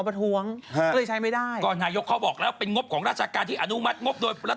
พวกก๋วว่ารายการจอมขวานดูไม่เห็นหรอ